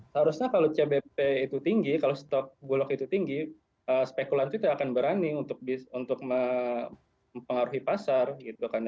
seharusnya kalau cbp itu tinggi kalau stok bulog itu tinggi spekulan itu tidak akan berani untuk mempengaruhi pasar gitu kan